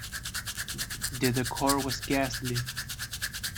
The decor was ghastly.